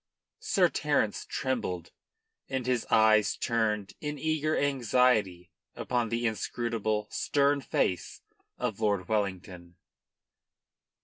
Sir Terence trembled, and his eyes turned in eager anxiety upon the inscrutable, stern face of Lord Wellington.